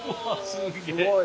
すごい。